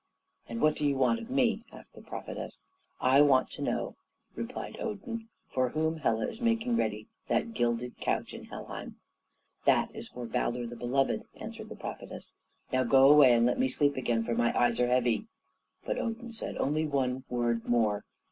"And what do you want of me?" asked the prophetess. "I want to know," replied Odin, "for whom Hela is making ready that gilded couch in Helheim?" "That is for Baldur the Beloved," answered the prophetess. "Now go away and let me sleep again, for my eyes are heavy." But Odin said, "Only one word more.